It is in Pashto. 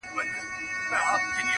ستا د کتاب تر اشو ډېر دي زما خالونه،